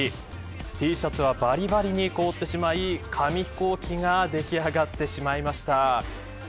Ｔシャツはばりばりに凍ってしまい紙飛行機が出来上がってしまいました。